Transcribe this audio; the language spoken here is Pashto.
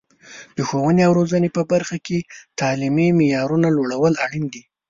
د ښوونې او روزنې په برخه کې د تعلیمي معیارونو لوړول اړین دي.